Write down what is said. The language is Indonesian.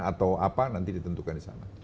atau apa nanti ditentukan di sana